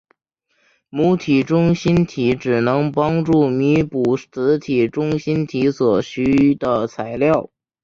母体中心体只能帮助弥补子体中心体所需的材料。